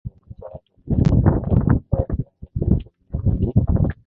kikubwa cha watumiaji kokeni huenda wasianze kuitumia hadi